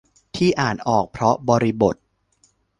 ที่อ่านออกเพราะบริบท